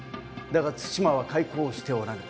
だが対馬は開港しておらぬ。